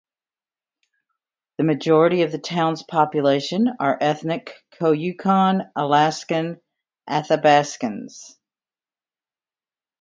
The majority of the town's population are ethnic Koyukon, Alaskan Athabaskans.